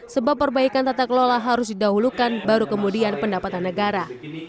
sebab perbaikan tata kelola harus didahulukan baru kemudian pendapatan negara